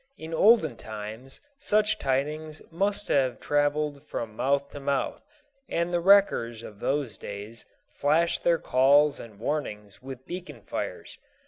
In olden times such tidings must have traveled from mouth to mouth, and the wreckers of those days flashed their calls and warnings with beacon fires.